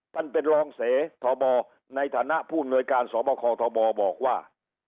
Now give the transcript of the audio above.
มันเป็นลองเสธธบในฐานะผู้หน่วยการสบธบบอกว่า